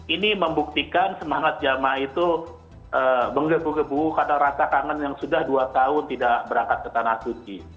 ini membuktikan semangat jamaah itu menggebu gebu karena rasa kangen yang sudah dua tahun tidak berangkat ke tanah suci